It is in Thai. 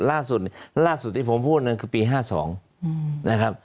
ล่าสุดที่ผมพูดนึงคือปี๑๙๕๒นะครับ